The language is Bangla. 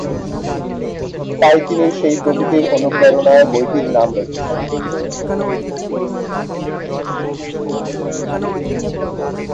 তাই তিনি সেই প্রকৃতির অনুপ্রেরণায় বইটির নাম রেখেছেন।